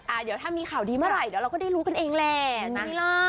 อ่าเดี๋ยวถ้ามีข่าวดีเมื่อไหร่เราก็ได้รู้กันเองแหละ